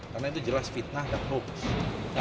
karena itu jelas fitnah dan hoax